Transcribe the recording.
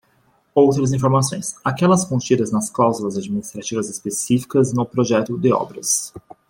Outras informações: aquelas contidas nas cláusulas administrativas específicas e no projeto de obras.